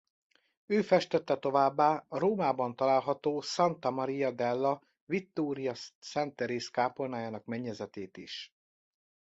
Ő festette továbbá a Rómában található Santa Maria della Vittoria Szent Teréz-kápolnájának mennyezetét is.